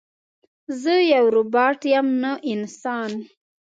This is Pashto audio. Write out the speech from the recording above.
زه یو روباټ یم نه انسان